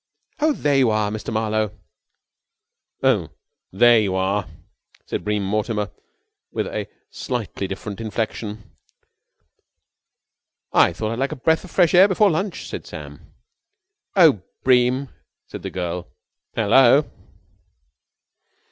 "Oh, there you are, Mr. Marlowe!" "Oh, there you are," said Bream Mortimer, with a slightly different inflection. "I thought I'd like a breath of fresh air before lunch," said Sam. "Oh, Bream!" said the girl. "Hello?"